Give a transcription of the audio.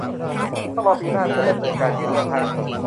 ต้องรอปีหน้าจะดำเนินการยื่นเรื่องให้